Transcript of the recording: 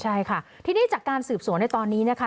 ใช่ค่ะทีนี้จากการสืบสวนในตอนนี้นะคะ